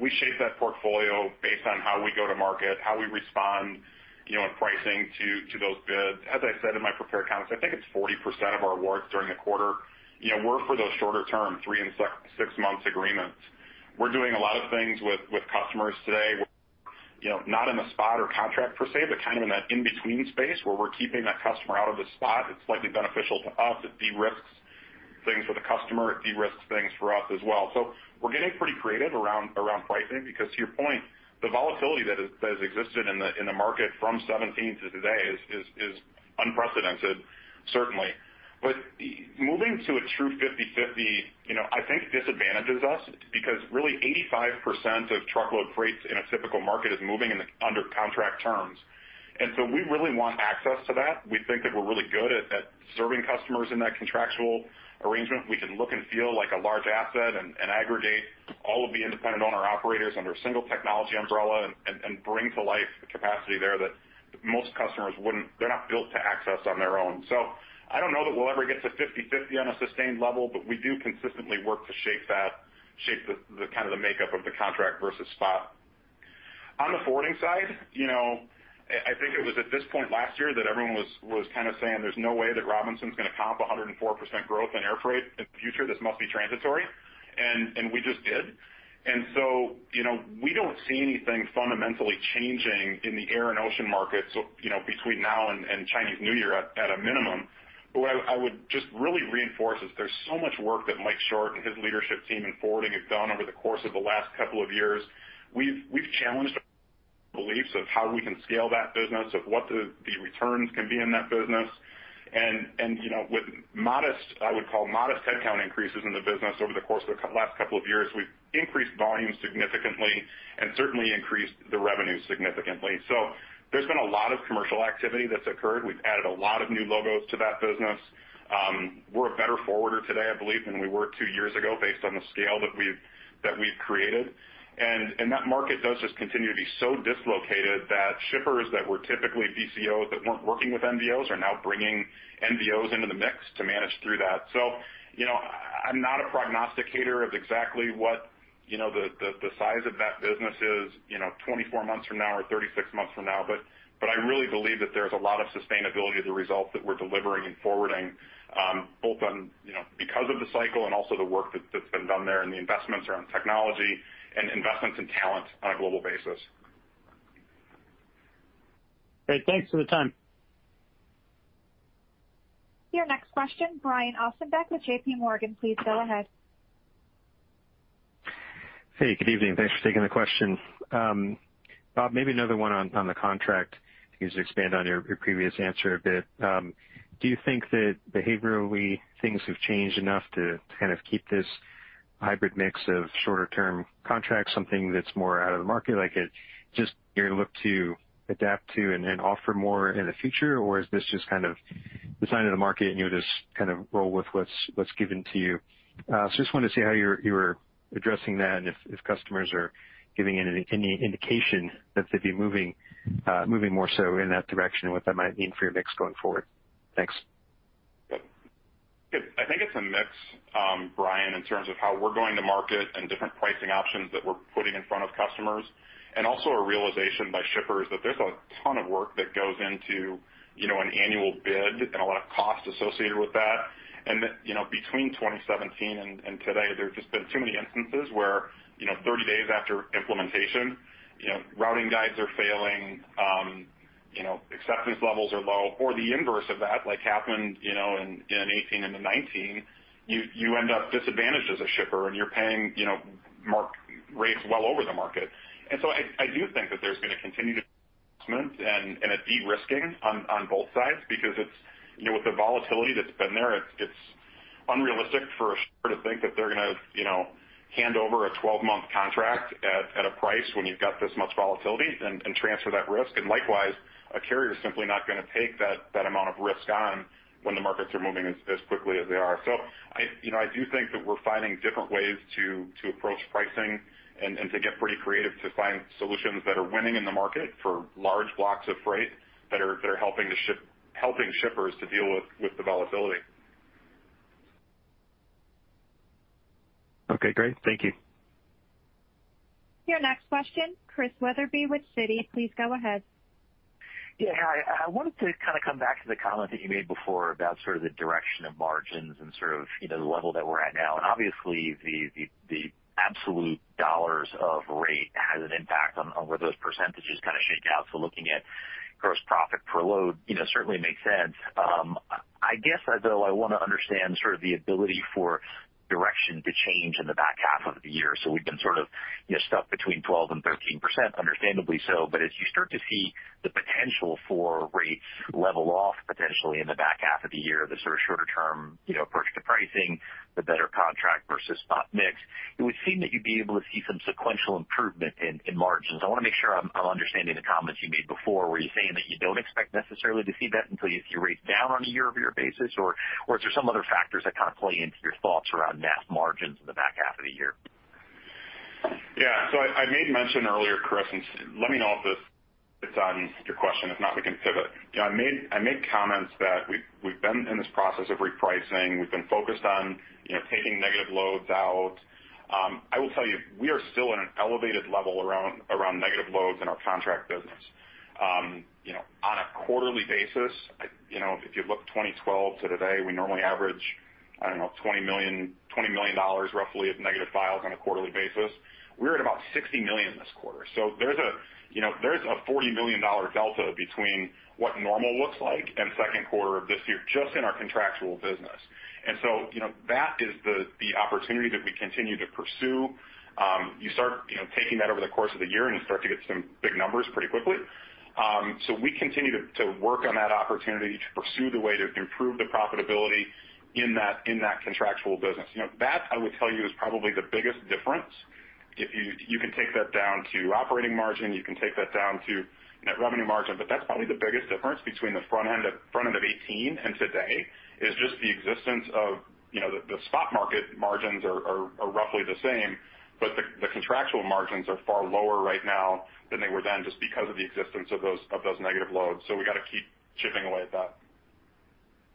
We shape that portfolio based on how we go to market, how we respond in pricing to those bids. As I said in my prepared comments, I think it's 40% of our awards during the quarter, were for those shorter term, three and six months agreements. We're doing a lot of things with customers today, not in the spot or contract per se, but kind of in that in-between space where we're keeping that customer out of the spot. It's slightly beneficial to us. It de-risks things for the customer. It de-risks things for us as well. We're getting pretty creative around pricing because to your point, the volatility that has existed in the market from 2017 to today is unprecedented, certainly. Moving to a true 50/50 I think disadvantages us because really 85% of truckload freight in a typical market is moving under contract terms. We really want access to that. We think that we're really good at serving customers in that contractual arrangement. We can look and feel like a large asset and aggregate all of the independent owner-operators under a single technology umbrella and bring to life the capacity there that most customers wouldn't. They're not built to access on their own. I don't know that we'll ever get to 50/50 on a sustained level, but we do consistently work to shape the makeup of the contract versus spot. On the forwarding side, I think it was at this point last year that everyone was kind of saying there's no way that C.H. Robinson's going to comp 104% growth in air freight in the future. This must be transitory. We just did. We don't see anything fundamentally changing in the air and ocean market, between now and Chinese New Year at a minimum. What I would just really reinforce is there's so much work that Mike Short and his leadership team in forwarding have done over the course of the last couple of years. We've challenged beliefs of how we can scale that business, of what the returns can be in that business. With modest, I would call modest headcount increases in the business over the course of the last couple of years. We've increased volume significantly and certainly increased the revenue significantly. There's been a lot of commercial activity that's occurred. We've added a lot of new logos to that business. We're a better forwarder today, I believe, than we were two years ago based on the scale that we've created. That market does just continue to be so dislocated that shippers that were typically BCOs that weren't working with NVOs are now bringing NVOs into the mix to manage through that. I'm not a prognosticator of exactly what the size of that business is 24 months from now or 36 months from now, but I really believe that there's a lot of sustainability of the results that we're delivering in forwarding both because of the cycle and also the work that's been done there and the investments around technology and investments in talent on a global basis. Great. Thanks for the time. Your next question, Brian Ossenbeck with JPMorgan. Please go ahead. Hey, good evening. Thanks for taking the question. Bob, maybe another one on the contract. If you could just expand on your previous answer a bit. Do you think that behaviorally things have changed enough to kind of keep this hybrid mix of shorter term contracts, something that's more out of the market, like it just you're look to adapt to and offer more in the future? Is this just kind of the sign of the market and you'll just kind of roll with what's given to you? Just wanted to see how you're addressing that and if customers are giving any indication that they'd be moving more so in that direction and what that might mean for your mix going forward. Thanks. Yeah. I think it's a mix, Brian, in terms of how we're going to market and different pricing options that we're putting in front of customers, also a realization by shippers that there's a ton of work that goes into an annual bid and a lot of cost associated with that. That between 2017 and today, there's just been too many instances where 30 days after implementation, routing guides are failing, acceptance levels are low, or the inverse of that, like happened in 2018 into 2019, you end up disadvantaged as a shipper and you're paying rates well over the market. I do think that there's going to continue to be investment and a de-risking on both sides because with the volatility that's been there, it's unrealistic for a shipper to think that they're going to hand over a 12-month contract at a price when you've got this much volatility, and transfer that risk. Likewise, a carrier is simply not going to take that amount of risk on when the markets are moving as quickly as they are. I do think that we're finding different ways to approach pricing and to get pretty creative to find solutions that are winning in the market for large blocks of freight that are helping shippers to deal with the volatility. Okay, great. Thank you. Your next question, Chris Wetherbee with Citi. Please go ahead. Yeah, hi. I wanted to kind of come back to the comment that you made before about sort of the direction of margins and sort of the level that we're at now. Obviously, the absolute dollars of rate has an impact on where those percentages kind of shake out. Looking at gross profit per load, certainly makes sense. I guess, though, I want to understand sort of the ability for direction to change in the back half of the year. We've been sort of stuck between 12%-13%, understandably so. As you start to see the potential for rates level off potentially in the back half of the year, the sort of shorter term approach to pricing, the better contract versus spot mix, it would seem that you'd be able to see some sequential improvement in margins. I want to make sure I'm understanding the comments you made before. Were you saying that you don't expect necessarily to see that until you see rates down on a year-over-year basis? Is there some other factors that kind of play into your thoughts around NAST margins in the back half of the year? Yeah. I made mention earlier, Chris, and let me know if this hits on your question. If not, we can pivot. I made comments that we've been in this process of repricing. We've been focused on taking negative loads out. I will tell you, we are still in an elevated level around negative loads in our contract business. On a quarterly basis, if you look 2012 to today, we normally average, I don't know, $20 million roughly of negative files on a quarterly basis. We're at about $60 million this quarter. There's a $40 million delta between what normal looks like and second quarter of this year, just in our contractual business. That is the opportunity that we continue to pursue. You start taking that over the course of the year, and you start to get some big numbers pretty quickly. We continue to work on that opportunity to pursue the way to improve the profitability in that contractual business. That, I would tell you, is probably the biggest difference. You can take that down to operating margin, you can take that down to net revenue margin, but that's probably the biggest difference between the front end of 2018 and today, is just the existence of the stock market margins are roughly the same. The contractual margins are far lower right now than they were then, just because of the existence of those negative loads. We got to keep chipping away at that.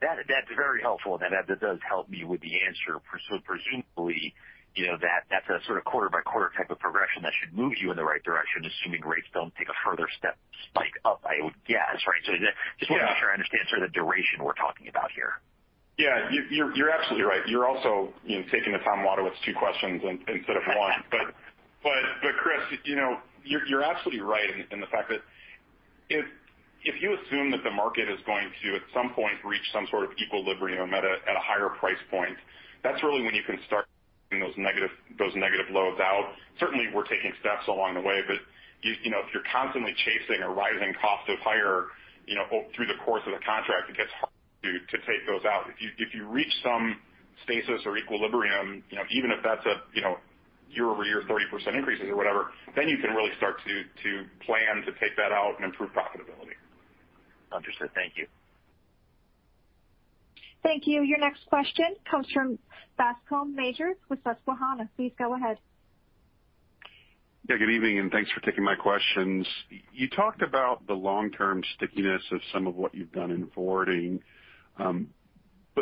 That's very helpful, and that does help me with the answer. Presumably, that's a sort of quarter-by-quarter type of progression that should move you in the right direction, assuming rates don't take a further step spike up, I would guess, right? Just want to make sure I understand sort of the duration we're talking about here. Yeah. You're absolutely right. You're also taking the Tom Wadewitz two questions instead of one. Chris, you're absolutely right in the fact that if you assume that the market is going to, at some point, reach some sort of equilibrium at a higher price point, that's really when you can start taking those negative loads out. Certainly, we're taking steps along the way, but if you're constantly chasing a rising cost of hire through the course of the contract, it gets hard to take those out. If you reach some stasis or equilibrium, even if that's a year-over-year 30% increases or whatever, then you can really start to plan to take that out and improve profitability. Understood. Thank you. Thank you. Your next question comes from Bascome Majors with Susquehanna. Please go ahead. Yeah, good evening, and thanks for taking my questions.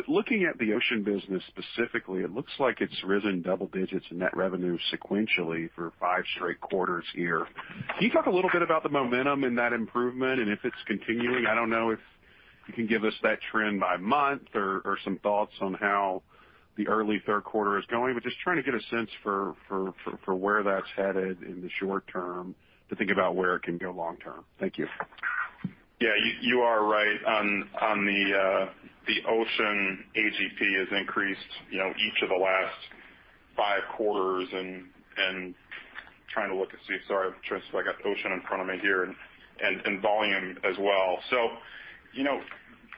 Looking at the ocean business specifically, it looks like it's risen double digits in net revenue sequentially for five straight quarters here. Can you talk a little bit about the momentum in that improvement and if it's continuing? I don't know if you can give us that trend by month or some thoughts on how the early third quarter is going, but just trying to get a sense for where that's headed in the short term to think about where it can go long term. Thank you. Yeah, you are right on the ocean AGP has increased each of the last five quarters. Sorry, I'm trying to see if I got the ocean in front of me here, and volume as well.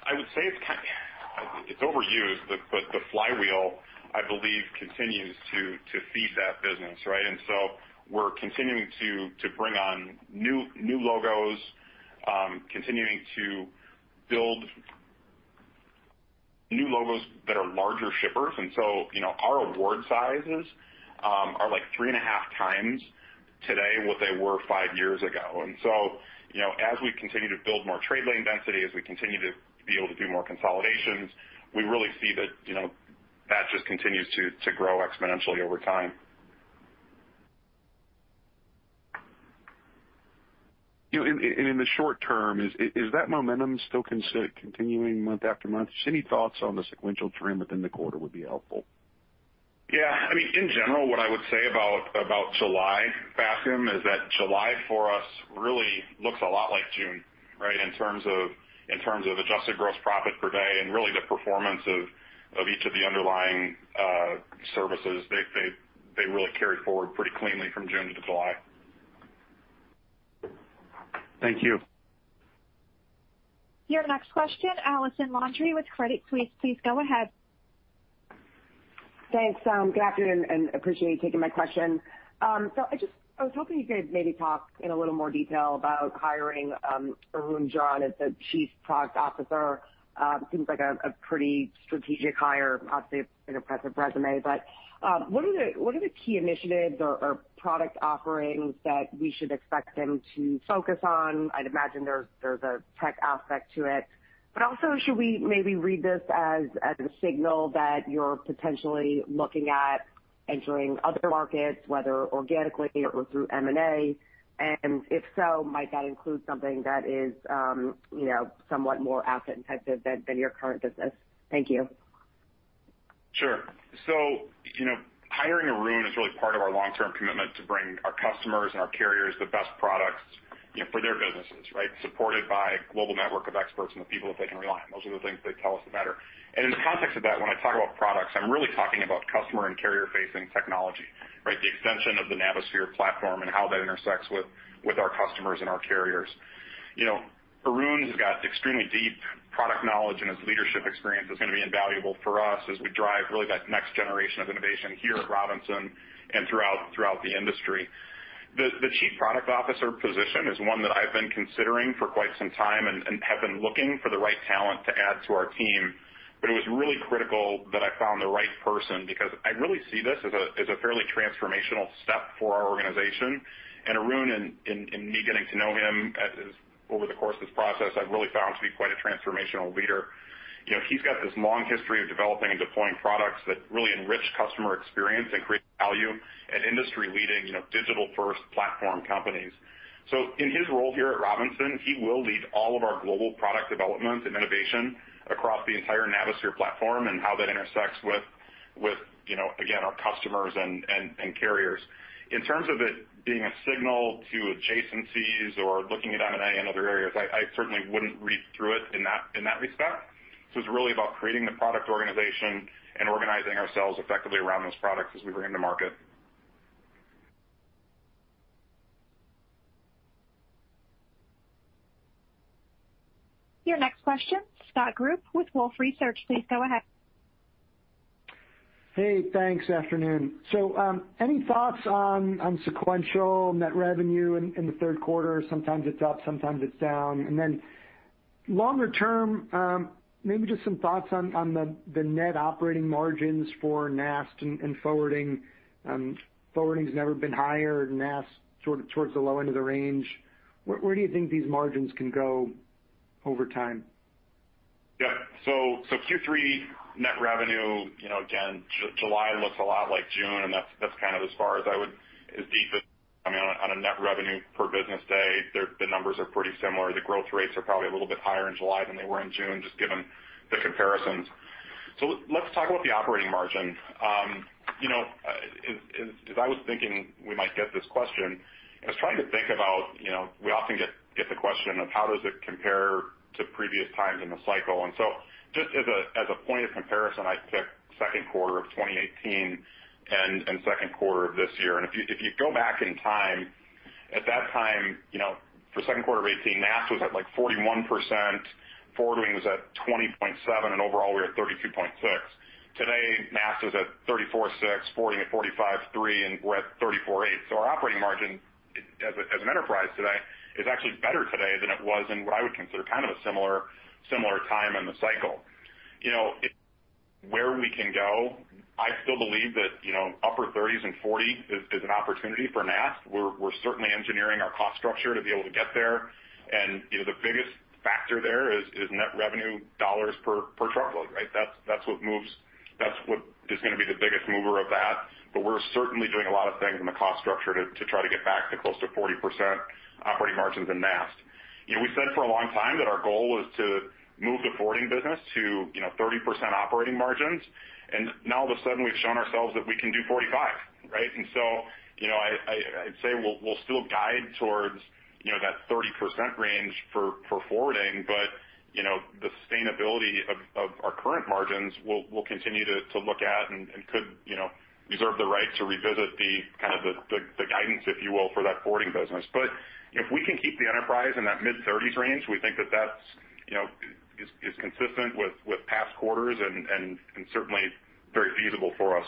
I would say it's overused, but the flywheel, I believe, continues to feed that business, right? We're continuing to bring on new logos, continuing to build new logos that are larger shippers. Our award sizes are, like, three and a half times today what they were five years ago. As we continue to build more trade lane density, as we continue to be able to do more consolidations, we really see that just continues to grow exponentially over time. In the short term, is that momentum still continuing month after month? Just any thoughts on the sequential trend within the quarter would be helpful. Yeah. I mean, in general, what I would say about July, Bascome, is that July for us really looks a lot like June, right? In terms of adjusted gross profit per day and really the performance of each of the underlying services, they really carried forward pretty cleanly from June to July. Thank you. Your next question, Allison Landry with Credit Suisse. Please go ahead. Thanks. Good afternoon, and appreciate you taking my question. I was hoping you could maybe talk in a little more detail about hiring Arun Rajan as the Chief Product Officer. Seems like a pretty strategic hire, obviously an impressive resume, but what are the key initiatives or product offerings that we should expect him to focus on? I'd imagine there's a tech aspect to it, but also, should we maybe read this as a signal that you're potentially looking at entering other markets, whether organically or through M&A, and if so, might that include something that is somewhat more asset-intensive than your current business? Thank you. Sure. Hiring Arun is really quite a long-term commitment to bring our customers and our carriers the best products for their businesses, right? Supported by global network of experts and the people they can rely on. Most of the thing they tell us, they matter. And in the context of that, when I talk about products, I'm really talking about customer and carrier facing technology, right? The extension of Navisphere platform and how that interacts with our customers and carriers. Arun has got extremely deep product knowledge, and his leadership experience is going to be invaluable for us as we drive really that next generation of innovation here at Robinson and throughout the industry. The Chief Product Officer position is one that I've been considering for quite some time and have been looking for the right talent to add to our team. It was really critical that I found the right person because I really see this as a fairly transformational step for our organization. Arun, in me getting to know him over the course of this process, I've really found to be quite a transformational leader. He's got this long history of developing and deploying products that really enrich customer experience and create value at industry-leading, digital-first platform companies. In his role here at Robinson, he will lead all of our global product development and innovation across the entire Navisphere platform and how that intersects with, again, our customers and carriers. In terms of it being a signal to adjacencies or looking at M&A in other areas, I certainly wouldn't read through it in that respect. It's really about creating the product organization and organizing ourselves effectively around those products as we bring them to market. Your next question, Scott Group with Wolfe Research. Please go ahead. Hey, thanks. Afternoon. Any thoughts on sequential net revenue in the third quarter? Sometimes it's up, sometimes it's down. Then longer term, maybe just some thoughts on the net operating margins for NAST and forwarding. Forwarding has never been higher, NAST sort of towards the low end of the range. Where do you think these margins can go over time? Yeah. Q3 net revenue, again, July looks a lot like June, and that's kind of as deep as I would go. On a net revenue per business day, the numbers are pretty similar. The growth rates are probably a little bit higher in July than they were in June, just given the comparisons. Let's talk about the operating margin. As I was thinking we might get this question, I was trying to think about, we often get the question of how does it compare to previous times in the cycle. Just as a point of comparison, I picked second quarter of 2018 and second quarter of this year. If you go back in time, at that time, for second quarter of 2018, NAST was at 41%, forwarding was at 20.7%, and overall, we were at 32.6%. Today, NAST is at 34.6%, forwarding at 45.3%, and we're at 34.8%. Our operating margin as an enterprise today is actually better today than it was in what I would consider kind of a similar time in the cycle. Where we can go, I still believe that upper 30s and 40% is an opportunity for NAST. We're certainly engineering our cost structure to be able to get there. The biggest factor there is net revenue dollars per truckload, right? That's what is going to be the biggest mover of that. We're certainly doing a lot of things in the cost structure to try to get back to close to 40% operating margins in NAST. We said for a long time that our goal was to move the forwarding business to 30% operating margins, and now all of a sudden, we've shown ourselves that we can do 45, right? I'd say we'll still guide towards that 30% range for forwarding, but the sustainability of our current margins, we'll continue to look at and could reserve the right to revisit the kind of the guidance, if you will, for that forwarding business. If we can keep the enterprise in that mid-30s range, we think that is consistent with past quarters and certainly very feasible for us.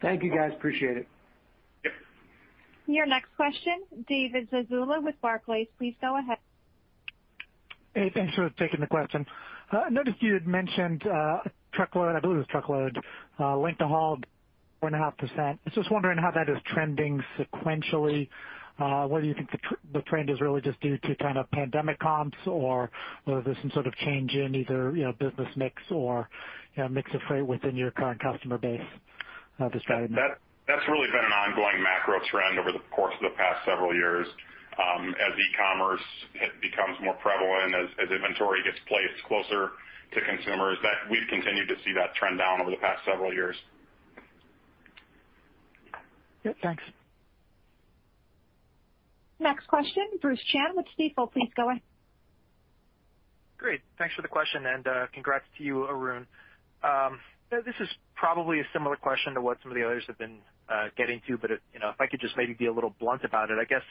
Thank you, guys. Appreciate it. Yep. Your next question, David Zazula with Barclays. Please go ahead. Hey, thanks for taking the question. I noticed you had mentioned truckload, I believe it was truckload, length of haul, 4.5%. I was just wondering how that is trending sequentially. Whether you think the trend is really just due to kind of pandemic comps, or whether there's some sort of change in either business mix or mix of freight within your current customer base this trend. That's really been an ongoing macro trend over the course of the past several years. As e-commerce becomes more prevalent, as inventory gets placed closer to consumers, we've continued to see that trend down over the past several years. Yep, thanks. Next question, Bruce Chan with Stifel. Please go ahead. Great. Thanks for the question, and congrats to you, Arun. This is probably a similar question to what some of the others have been getting to, but if I could just maybe be a little blunt about it. I guess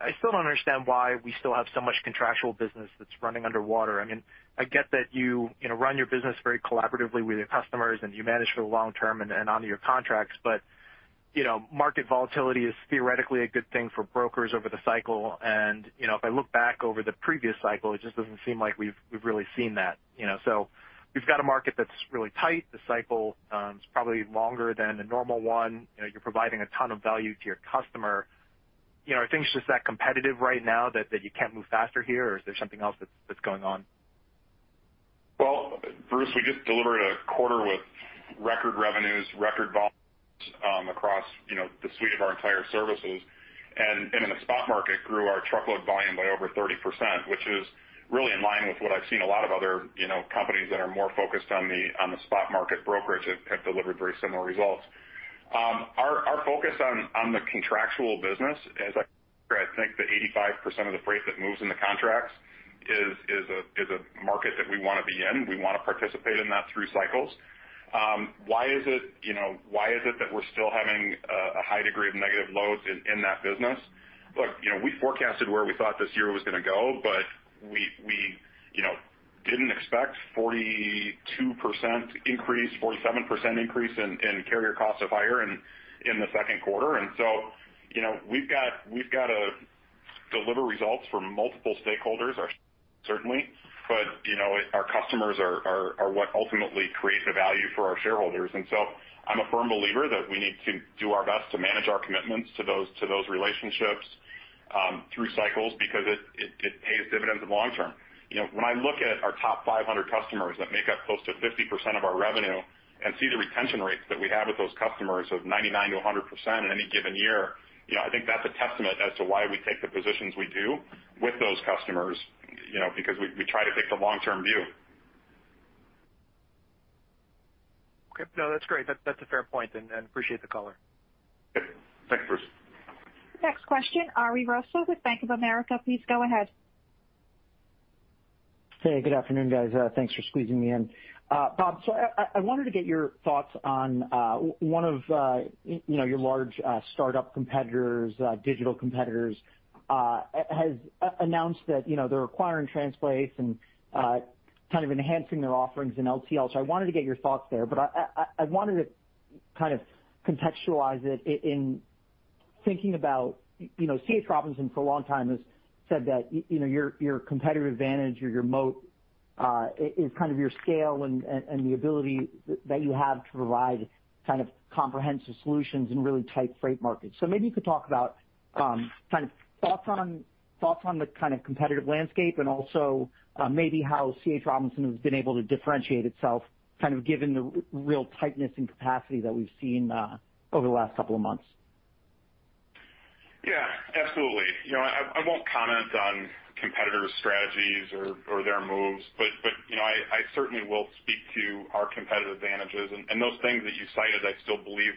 I still don't understand why we still have so much contractual business that's running underwater. I get that you run your business very collaboratively with your customers and you manage for the long term and honor your contracts, but market volatility is theoretically a good thing for brokers over the cycle, and if I look back over the previous cycle, it just doesn't seem like we've really seen that. We've got a market that's really tight. The cycle is probably longer than a normal one. You're providing a ton of value to your customer. Are things just that competitive right now that you can't move faster here, or is there something else that's going on? Bruce, we just delivered a quarter with record revenues, record volumes across the suite of our entire services, and in the spot market grew our truckload volume by over 30%, which is really in line with what I've seen a lot of other companies that are more focused on the spot market brokerage have delivered very similar results. Our focus on the contractual business is, I think that 85% of the freight that moves in the contracts is a market that we want to be in. We want to participate in that through cycles. Why is it that we're still having a high degree of negative loads in that business? Look, we forecasted where we thought this year was going to go, but we didn't expect 42% increase, 47% increase in carrier cost of hire in the second quarter. We've got to deliver results for multiple stakeholders, certainly. Our customers are what ultimately create the value for our shareholders. I'm a firm believer that we need to do our best to manage our commitments to those relationships through cycles because it pays dividends in long term. When I look at our top 500 customers that make up close to 50% of our revenue and see the retention rates that we have with those customers of 99%-100% in any given year, I think that's a testament as to why we take the positions we do with those customers, because we try to take the long-term view. Okay. No, that's great. That's a fair point, and appreciate the color. Okay. Thanks, Bruce. Next question, Ari Russell with Bank of America. Please go ahead. Hey, good afternoon, guys. Thanks for squeezing me in. Bob, I wanted to get your thoughts on one of your large startup competitors, digital competitors has announced that they're acquiring Transplace and kind of enhancing their offerings in LTL. I wanted to get your thoughts there, but I wanted to kind of contextualize it in thinking about C.H. Robinson for a long time has said that your competitive advantage or your moat is kind of your scale and the ability that you have to provide kind of comprehensive solutions in really tight freight markets. Maybe you could talk about kind of thoughts on the kind of competitive landscape and also maybe how C.H. Robinson has been able to differentiate itself, kind of given the real tightness in capacity that we've seen over the last couple of months. Yeah, absolutely. I won't comment on competitors' strategies or their moves, but I certainly will speak to our competitive advantages and those things that you cited I still believe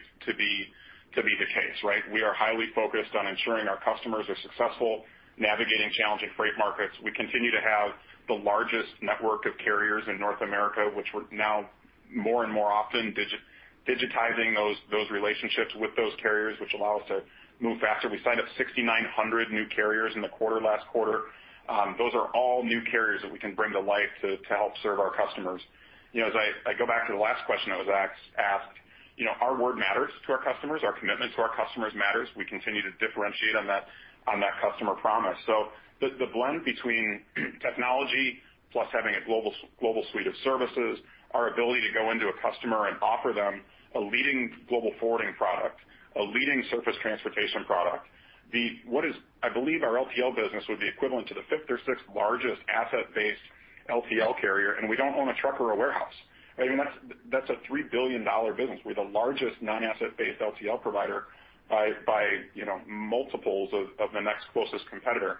to be the case, right? We are highly focused on ensuring our customers are successful navigating challenging freight markets. We continue to have the largest network of carriers in North America, which we're now more and more often digitizing those relationships with those carriers, which allow us to move faster. We signed up 6,900 new carriers in the quarter last quarter. Those are all new carriers that we can bring to life to help serve our customers. As I go back to the last question I was asked, our word matters to our customers. Our commitment to our customers matters. We continue to differentiate on that customer promise. The blend between Technology+ having a global suite of services, our ability to go into a customer and offer them a leading global forwarding product, a leading surface transportation product. I believe our LTL business would be equivalent to the fifth or sixth largest asset-based LTL carrier, and we don't own a truck or a warehouse. That's a $3 billion business. We're the largest non-asset-based LTL provider by multiples of the next closest competitor.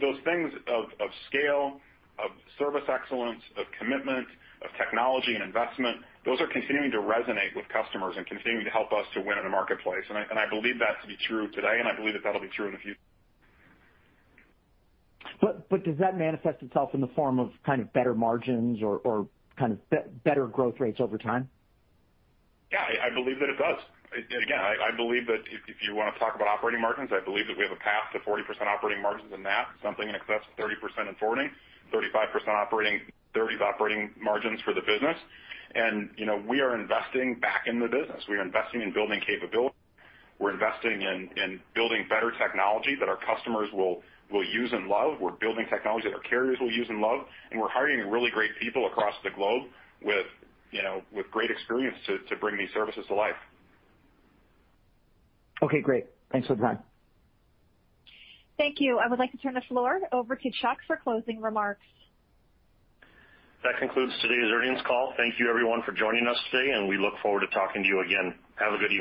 Those things of scale, of service excellence, of commitment, of technology and investment, those are continuing to resonate with customers and continuing to help us to win in the marketplace. I believe that to be true today, and I believe that will be true in the future. Does that manifest itself in the form of kind of better margins or kind of better growth rates over time? Yeah, I believe that it does. Again, I believe that if you want to talk about operating margins, I believe that we have a path to 40% operating margins and that something in excess of 30% in forwarding, 35% operating, 30 operating margins for the business. We are investing back in the business. We are investing in building capability. We're investing in building better technology that our customers will use and love. We're building technology that our carriers will use and love, and we're hiring really great people across the globe with great experience to bring these services to life. Okay, great. Thanks for the time. Thank you. I would like to turn the floor over to Chuck for closing remarks. That concludes today's earnings call. Thank you everyone for joining us today, and we look forward to talking to you again. Have a good evening.